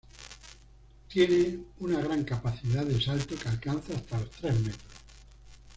Tiene una gran capacidad de salto que alcanza hasta los tres metros.